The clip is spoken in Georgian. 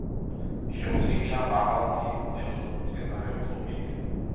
შემოსილია მაღალმთის მდელოს მცენარეულობით.